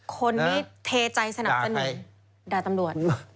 คนที่เทใจสนับสนุนด่าใครด่าตำรวจ